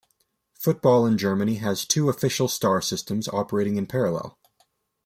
Football in Germany has two official star systems operating in parallel.